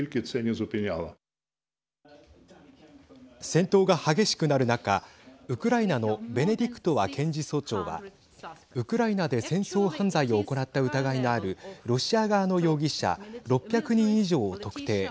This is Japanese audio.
戦闘が激しくなる中ウクライナのベネディクトワ検事総長はウクライナで戦争犯罪を行った疑いのあるロシア側の容疑者６００人以上を特定。